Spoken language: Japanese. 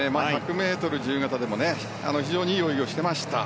１００ｍ自由形でも非常にいい泳ぎをしていました。